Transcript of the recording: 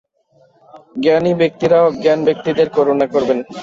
জ্ঞানী ব্যক্তিরা অজ্ঞান ব্যক্তিদের করুণা করবেন।